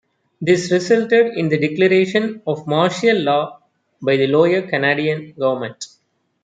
This resulted in the declaration of martial law by the Lower Canadian government.